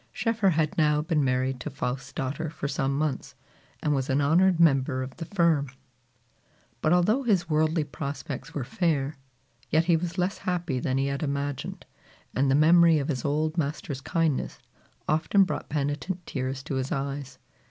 Schoeffer had now been married to Faust's daughter for some months, and was an honored member of the firm. But although his worldly prospects were fair, yet he was less happy than he had imagined, and the memory of his old master's kindness often brought penitent tears to his eyes.